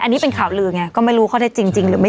อันนี้เป็นข่าวลือกันอีกอย่างนี่ก็ไม่รู้ข้อหรือไม่